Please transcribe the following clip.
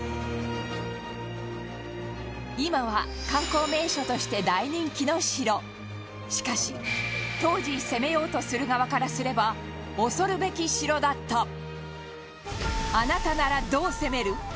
今は、観光名所として大人気の城しかし、当時攻めようとする側からすれば恐るべき城だったあなたなら、どう攻める？